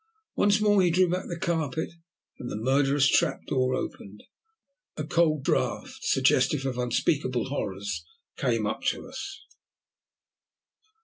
Once more he drew back the carpet and the murderous trap door opened. A cold draught, suggestive of unspeakable horrors, came up to us.